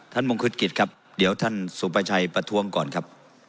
มงคุฎกิจครับเดี๋ยวท่านสุประชัยประท้วงก่อนครับ